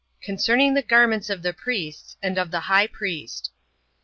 Concerning The Garments Of The Priests, And Of The High Priest.